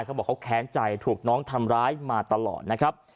เขาบอกเขาแค้นใจถูกน้องทำร้ายมาตลอดนะครับ